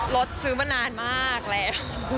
ซื้อมานานมากแล้ว